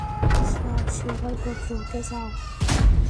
Sir, সে আমার বন্ধু - ওকে যাও।